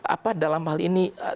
apa dalam hal ini